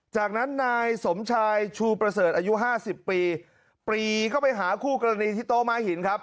จากนั้นนายสมชายชูประเสริฐอายุห้าสิบปีปรีเข้าไปหาคู่กรณีที่โต๊ะม้าหินครับ